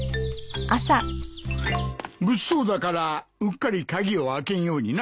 物騒だからうっかり鍵を開けんようにな。